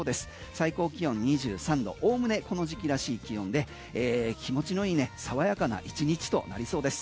最高気温２３度おおむねこの時期らしい気温で気持ちのいい爽やかな１日となりそうです。